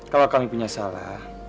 kalau kami punya salah